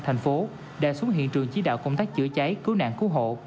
thành phố đã xuất hiện trường chí đạo công tác chữa cháy cứu nạn cứu hộ